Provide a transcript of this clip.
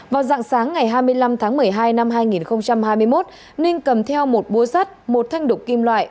vào dạng sáng ngày hai mươi năm tháng một mươi hai năm hai nghìn hai mươi một ninh cầm theo một búa sắt một thanh đục kim loại